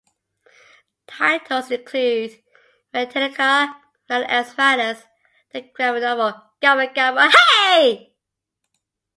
Titles include, Metallica: Nothing Else Matters - The Graphic Novel, Gabba Gabba Hey!